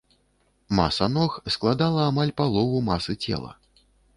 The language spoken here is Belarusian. Маса ног складала амаль палову масы цела.